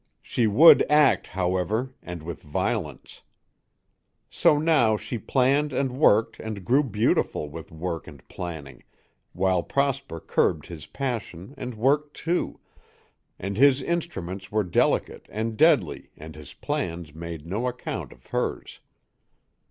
She would act, however, and with violence. So now she planned and worked and grew beautiful with work and planning, while Prosper curbed his passion and worked, too, and his instruments were delicate and deadly and his plans made no account of hers.